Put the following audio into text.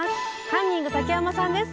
カンニング竹山さんです。